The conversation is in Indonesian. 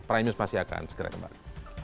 prime news masih akan segera kembali